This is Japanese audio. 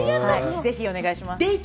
ぜひお願いします。